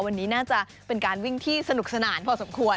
วันนี้น่าจะเป็นการวิ่งที่สนุกสนานพอสมควร